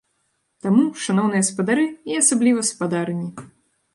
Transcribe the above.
Таму, шаноўныя спадары і асабліва спадарыні!